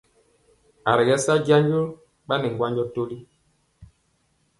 A ri kɛ sa jando ɓanɛ ŋgwanjɔ toli.